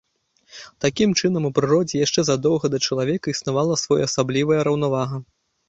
Такім чынам, у прыродзе яшчэ задоўга да чалавека існавала своеасаблівая раўнавага.